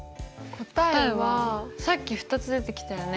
さっき２つ出てきたよね。